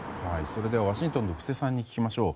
それではワシントンの布施さんに聞きましょう。